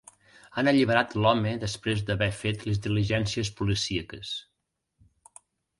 Han alliberat l’home després d’haver fet les diligències policíaques.